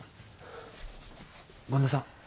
権田さん